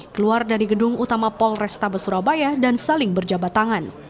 keluar dari gedung utama polrestabes surabaya dan saling berjabat tangan